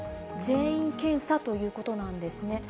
全員検査ということなんですね。